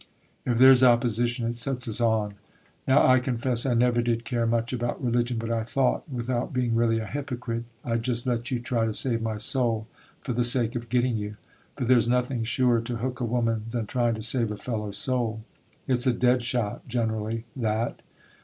If there's opposition, it sets us on. Now I confess I never did care much about religion, but I thought, without being really a hypocrite, I'd just let you try to save my soul for the sake of getting you; for there's nothing surer to hook a woman than trying to save a fellow's soul. It's a dead shot, generally, that.